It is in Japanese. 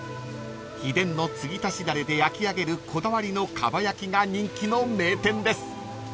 ［秘伝のつぎ足しだれで焼き上げるこだわりのかば焼きが人気の名店です］